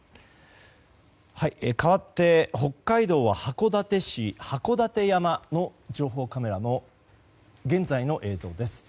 かわって北海道は函館市函館山の情報カメラの現在の映像です。